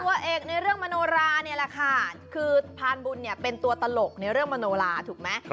เอกในเรื่องมโนราเนี่ยแหละค่ะคือพานบุญเนี่ยเป็นตัวตลกในเรื่องมโนลาถูกไหม